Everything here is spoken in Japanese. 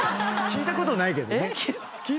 聞いたことないけど。